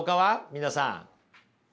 皆さん。